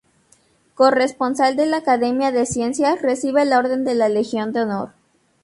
Corresponsal de la Academia de Ciencias, recibe la orden de la Legión de Honor.